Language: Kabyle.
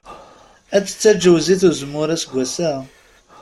Ad d-taǧwew zzit n uzemmur aseggas-a?